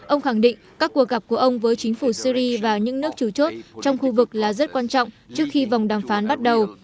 ông khẳng định các cuộc gặp của ông với chính phủ syri và những nước chủ chốt trong khu vực là rất quan trọng trước khi vòng đàm phán bắt đầu